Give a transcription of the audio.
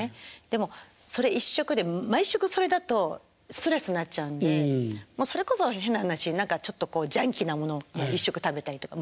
でもそれ一色で毎食それだとストレスになっちゃうんでもうそれこそ変な話何かちょっとジャンキーなものを１食食べたりとか。